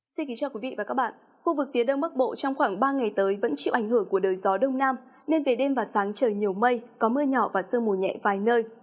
xin kính chào quý vị và các bạn khu vực phía đông bắc bộ trong khoảng ba ngày tới vẫn chịu ảnh hưởng của đời gió đông nam nên về đêm và sáng trời nhiều mây có mưa nhỏ và sương mù nhẹ vài nơi